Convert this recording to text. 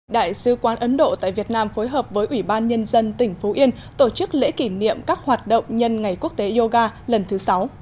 đại sứ quán ấn độ tại việt nam phối hợp với ủy ban nhân dân tỉnh phú yên tổ chức lễ kỷ niệm các hoạt động nhân ngày quốc tế yoga lần thứ sáu